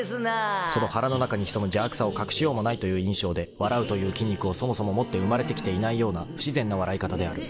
［その腹の中に潜む邪悪さを隠しようもないという印象で笑うという筋肉をそもそも持って生まれてきていないような不自然な笑い方である。